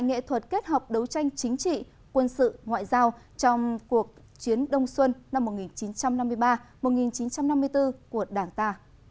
nghệ thuật kết hợp đấu tranh chính trị quân sự ngoại giao trong cuộc chiến đông xuân năm một nghìn chín trăm năm mươi ba một nghìn chín trăm năm mươi bốn của đảng ta